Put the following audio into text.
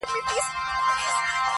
ستړې سوې مو درګاه ته یم راغلې.!